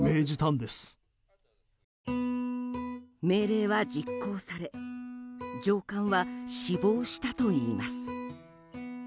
命令は実行され上官は死亡したといいます。